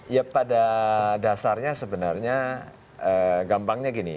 ya pada dasarnya sebenarnya gampangnya gini